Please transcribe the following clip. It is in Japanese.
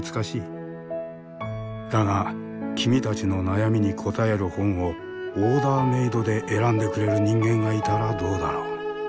だが君たちの悩みに答える本をオーダーメードで選んでくれる人間がいたらどうだろう？